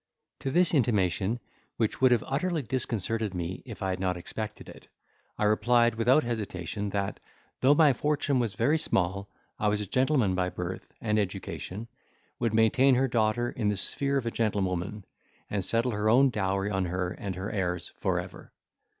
To this intimation, which would have utterly disconcerted me if I had not expected it, I replied, without hesitation that, though my fortune was very small, I was a gentleman by birth and education, would maintain her daughter in the sphere of a gentlewoman, and settle her own dowry on her and her heirs for ever.